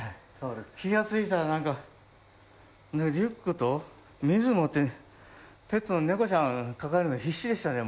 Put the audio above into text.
気がついたらなんか、リュックと水持ってペットの猫ちゃん抱えるのに必死でしたね。